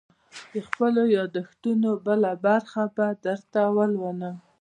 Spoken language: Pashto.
_د خپلو ياد دښتونو بله برخه به درته ولولم.